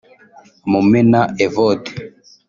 Mumena Evode